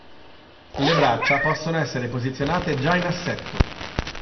Le braccia possono essere posizionate già in assetto.